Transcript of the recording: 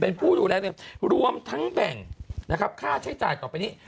เป็นผู้ดูแลรวมทั้งแบ่งค่าใช้จ่ายต่อไปนี้